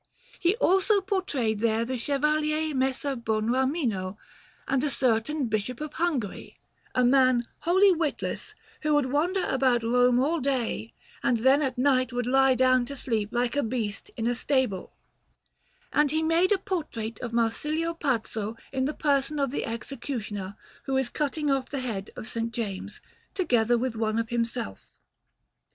He also portrayed there the Chevalier Messer Bonramino, and a certain Bishop of Hungary, a man wholly witless, who would wander about Rome all day, and then at night would lie down to sleep like a beast in a stable; and he made a portrait of Marsilio Pazzo in the person of the executioner who is cutting off the head of S. James, together with one of himself.